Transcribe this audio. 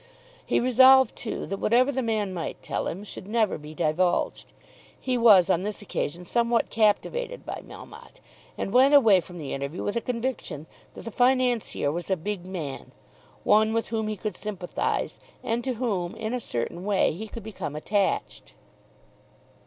He resolved too that whatever the man might tell him should never be divulged. He was on this occasion somewhat captivated by Melmotte, and went away from the interview with a conviction that the financier was a big man; one with whom he could sympathise, and to whom in a certain way he could become attached.